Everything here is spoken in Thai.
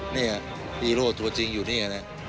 เนี่ยอีโร่ตัวจริงอยู่นี่